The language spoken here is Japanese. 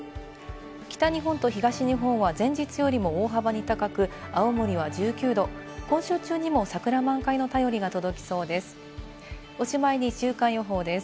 北日本と東日本は前日よりも大幅に高く、青森は１９度、今週中にも桜満開の便りが届きそうです。